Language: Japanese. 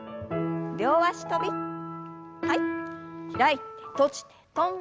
開いて閉じて跳んで。